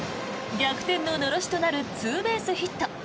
逆転ののろしとなるツーベースヒット。